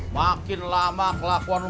makin lama kelakuan lu